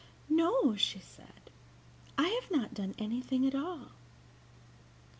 "No," she said, "I have not done anything at all."